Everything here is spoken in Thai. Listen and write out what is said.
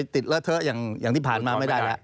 ติดแล้วเทอะอย่างที่ผ่านร่างไม่ได้ล่ะ